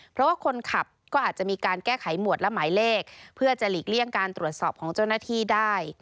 เพราะว่าคนขับก็อาจจะมีการแก้ไขหมวดและหมายเลขเพื่อจะหลีกเลี่ยงการตรวจสอบของเจ้าหน้าที่ได้